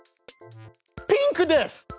ピンクです！